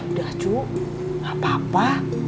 sudah cu nggak apa apa